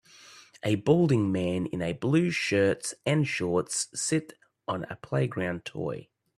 A balding man in a blue shirts and shorts sit on a playground toy